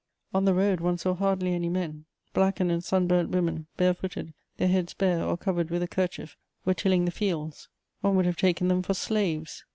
On the road one saw hardly any men; blackened and sun burnt women, bare footed, their heads bare or covered with a kerchief, were tilling the fields: one would have taken them for slaves.